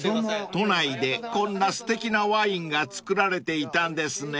［都内でこんなすてきなワインが造られていたんですね］